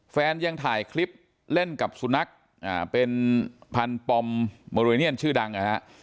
ยังถ่ายคลิปเล่นกับสุนัขเป็นพันธุ์ปอมโมเรเนียนชื่อดังนะฮะ